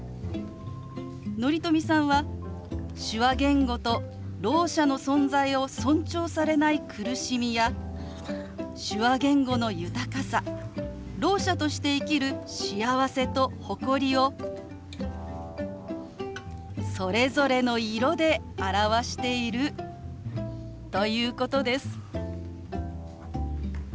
乘富さんは手話言語とろう者の存在を尊重されない苦しみや手話言語の豊かさろう者として生きる幸せと誇りをそれぞれの色で表しているということです。